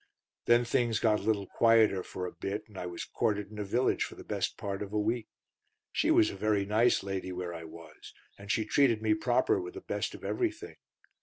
"Then things got a little quieter for a bit, and I was quartered in a village for the best part of a week. She was a very nice lady where I was, and she treated me proper with the best of everything.